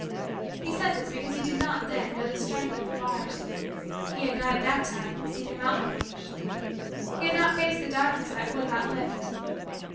He said this because he did not, then, know the strength of the bars. He had not, at that time, seen the mountain range. He had not faced the darkness that would not lift.